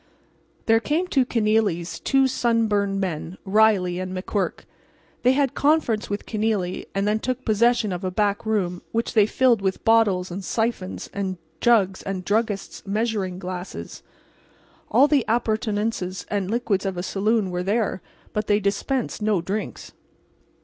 There came to Kenealy's two sunburned men, Riley and McQuirk. They had conference with Kenealy; and then they took possession of a back room which they filled with bottles and siphons and jugs and druggist's measuring glasses. All the appurtenances and liquids of a saloon were there, but they dispensed no drinks.